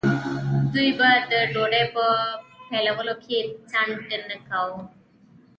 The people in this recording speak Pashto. دوی به د ډوډۍ په پیلولو کې ځنډ نه کاوه.